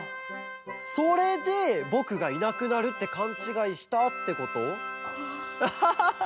それでぼくがいなくなるってかんちがいしたってこと？